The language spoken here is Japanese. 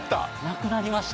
なくなりました